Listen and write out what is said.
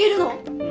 うん。